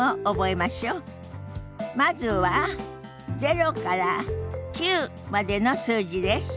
まずは０から９までの数字です。